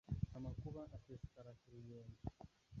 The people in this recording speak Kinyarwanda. amakuba asesekara ku ruyenzi,